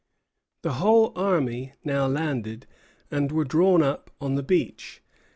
The whole army now landed, and were drawn up on the beach.